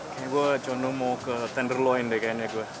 kayaknya gue cuma mau ke tenderloin deh kayaknya gue